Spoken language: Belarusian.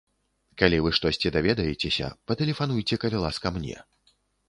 Калі вы штосьці даведаецеся, ператэлефануйце, калі ласка, мне.